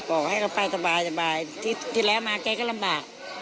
บอกให้เขาไปสบายที่แล้วมาแกก็ลำบาก